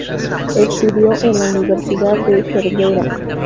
Estudió en la Universidad de Cervera.